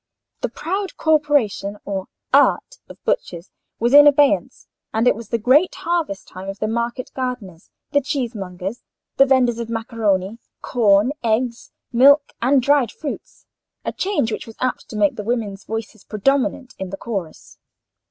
The proud corporation, or "Art," of butchers was in abeyance, and it was the great harvest time of the market gardeners, the cheesemongers, the vendors of macaroni, corn, eggs, milk, and dried fruits: a change which was apt to make the women's voices predominant in the chorus.